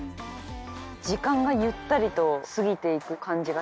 時間がゆったりと過ぎていく感じがしますね。